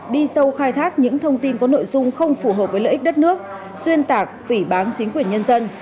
đi sâu khai thác những thông tin có nội dung không phù hợp với lợi ích đất nước xuyên tạc phỉ bán chính quyền nhân dân